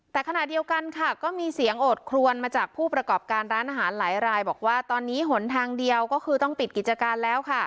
แต่ขณะเดียวกันค่ะก็มีเสียงโอดครวนมาจากผู้ประกอบการร้านอาหารหลายรายบอกว่าตอนนี้หนทางเดียวก็คือต้องปิดกิจการแล้วค่ะ